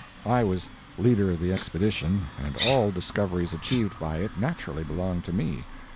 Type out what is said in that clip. I was leader of the Expedition, and all discoveries achieved by it naturally belonged to me.